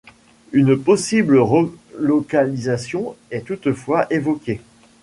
Une possible relocalisation est toutefois évoquée.